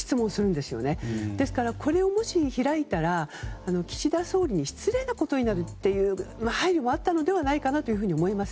ですから、これでもし開いたら岸田総理に失礼なことになるという配慮があったのではないかと思います。